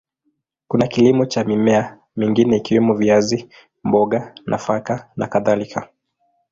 Kuna kilimo cha mimea mingine ikiwemo viazi, mboga, nafaka na kadhalika.